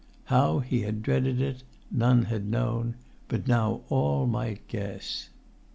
How he had dreaded it none had known, but now all might guess.